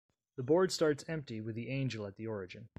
The board starts empty with the angel at the origin.